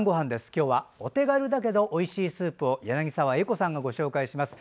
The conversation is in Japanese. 今日は、お手軽だけどおいしいスープを柳澤英子さんがご紹介します。